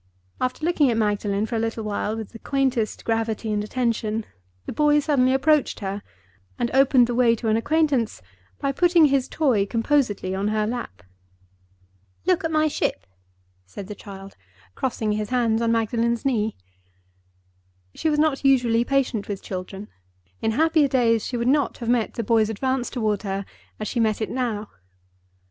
After looking at Magdalen for a little while with the quaintest gravity and attention, the boy suddenly approached her, and opened the way to an acquaintance by putting his toy composedly on her lap. "Look at my ship," said the child, crossing his hands on Magdalen's knee. She was not usually patient with children. In happier days she would not have met the boy's advance toward her as she met it now.